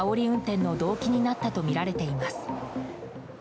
運転の動機になったとみられています。